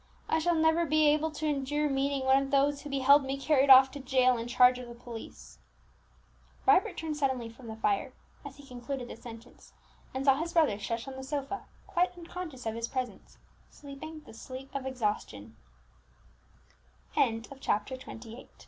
I shall never be able to endure meeting one of those who beheld me carried off to jail in charge of the police!" Vibert turned suddenly from the fire as he concluded the sentence, and saw his brother stretched on the sofa, quite unconscious of his presence, sleeping the sleep of ex